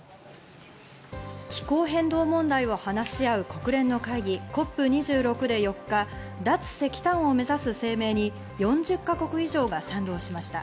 気候変動問題を話し合う国連の会議、ＣＯＰ２６で４日、脱石炭を目指す声明に４０か国以上が賛同しました。